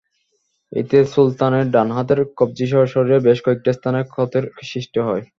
এতে সুলতানের ডান হাতের কবজিসহ শরীরের বেশ কয়েকটি স্থানে ক্ষতের সৃষ্টি হয়।